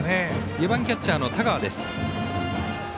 ４番キャッチャーの田川。